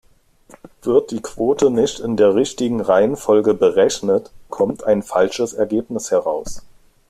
Wird die Quote nicht in der richtigen Reihenfolge berechnet, kommt ein falsches Ergebnis heraus.